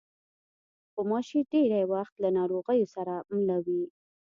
غوماشې ډېری وخت له ناروغیو سره مله وي.